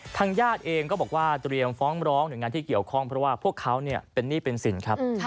ทางญาติเองก็บอกว่าเตรียมฟ้องร้องหน่วยงานที่เกี่ยวข้องเพราะว่าพวกเขาเป็นหนี้เป็นสินครับ